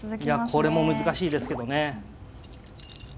これも難しいですけどね。